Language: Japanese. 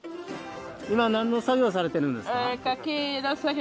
今何の作業をされてるんですか？